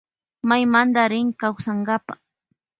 Maymanta rin kausankapa.